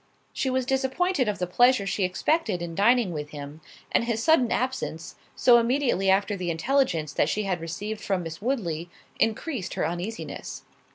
She was disappointed of the pleasure she expected in dining with him; and his sudden absence, so immediately after the intelligence that she had received from Miss Woodley, increased her uneasiness.